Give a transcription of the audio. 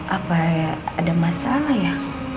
apa ada masalah ya